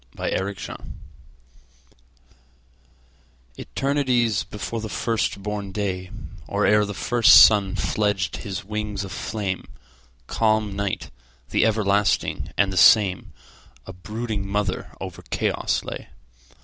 Mother Night ETERNITIES before the first born day, Or ere the first sun fledged his wings of flame, Calm Night, the everlasting and the same,A brooding mother over chaos lay.